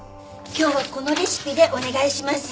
今日はこのレシピでお願いします。